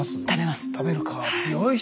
食べるか強い人。